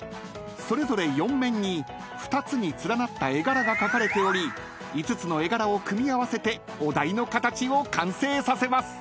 それぞれ４面に２つに連なった絵柄が描かれており５つの絵柄を組み合わせてお題の形を完成させます］